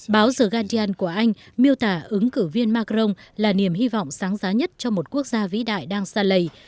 báo giờ gandia của anh miêu tả ứng cử viên macron là niềm hy vọng sáng giá nhất cho một quốc gia vĩ đại đang xa lầy